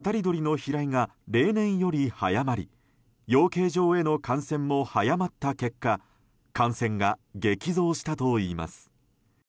つまり、渡り鳥の飛来が例年より早まり養鶏場への感染も早まった結果感染が激増したといいます。